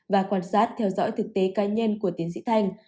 và quan sát theo dõi thực tế cá nhân của tiến sĩ thanh